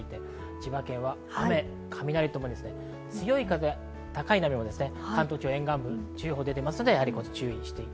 千葉県は雨、雷ともに強い風、高い波も関東地方、沿岸部に注意報が出ています。